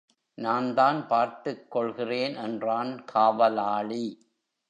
நான்தான் பார்த்துக் கொள்கிறேன் என்றான் காவலாளி.